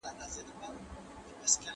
که نجونې ملګرې وي نو راز به نه افشا کیږي.